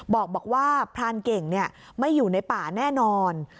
บอกว่าพรานเก่งไม่อยู่ในป่าแน่นอน